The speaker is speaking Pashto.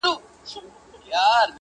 د انارګل او نارنج ګل او ګل غونډیو راځي٫